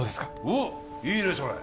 おっいいねそれ！